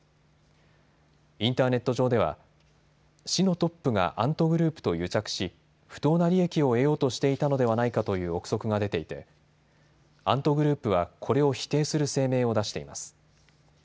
インターネット上では市のトップがアントグループと癒着し不当な利益を得ようとしていたのではないかという臆測が出ていてアントグループはこれを否定する声明を出しています。